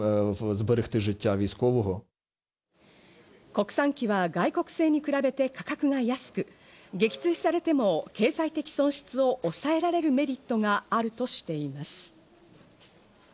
国産機は外国製に比べて価格が安く、撃墜されても経済的損失を抑えられるメリットがあるとしています。